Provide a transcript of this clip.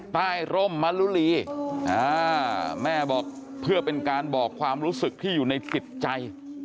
ร่มมะลุลีแม่บอกเพื่อเป็นการบอกความรู้สึกที่อยู่ในจิตใจ